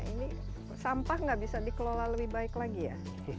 ini sampah nggak bisa dikelola lebih baik lagi ya